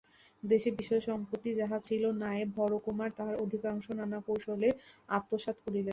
দেশে বিষয়সম্পত্তি যাহা ছিল নায়েব হরকুমার তাহার অধিকাংশ নানা কৌশলে আত্মসাৎ করিলেন।